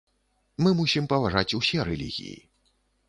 Мы мусім паважаць усе рэлігіі.